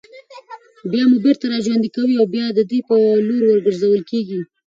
بيا مو بېرته راژوندي كوي او بيا د ده په لور ورگرځول كېږئ